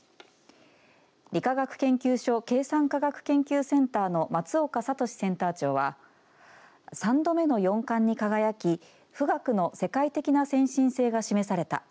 理化学研究所計算科学研究センターの松岡聡センター長は３度目の４冠に輝き富岳の世界的な先進性が示された。